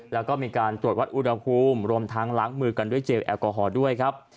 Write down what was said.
แล้วก็มีการตรวจวัดอุณหภูมิรวมทั้งล้างมือกันด้วยเจลแอลกอฮอล์ด้วยครับ